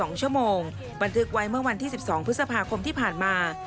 ๒ชั่วโมงบันทึกไว้เมื่อวันที่๑๒พฤษภาคมที่ผ่านมา